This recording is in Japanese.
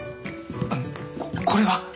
あのここれは？